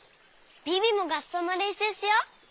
ビビもがっそうのれんしゅうしよう！